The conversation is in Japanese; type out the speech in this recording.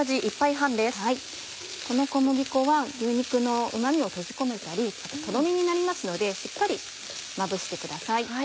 この小麦粉は牛肉のうま味を閉じ込めたりとろみになりますのでしっかりまぶしてください。